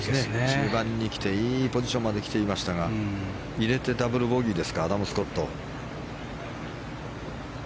中盤に来ていいポジションに来ていましたが入れてダブルボギーですかアダム・スコット。